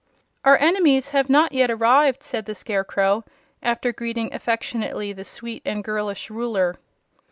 "Our enemies have not yet arrived," said the Scarecrow, after greeting affectionately the sweet and girlish Ruler.